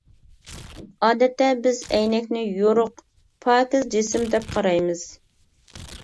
ئادەتتە بىز ئەينەكنى يورۇق، پاكىز جىسىم دەپ قارايمىز.